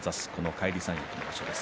返り三役の場所です。